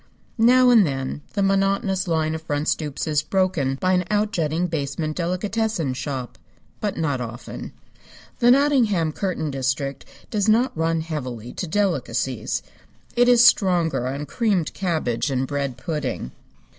Now and then the monotonous line of front stoops is broken by an outjutting basement delicatessen shop. But not often. The Nottingham curtain district does not run heavily to delicacies. It is stronger on creamed cabbage and bread pudding.